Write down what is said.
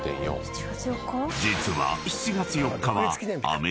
［実は］